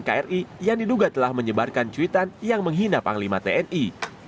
ketua aliansi advokat islam nkri yang diduga telah menyebarkan cuitan yang menghina panglima tni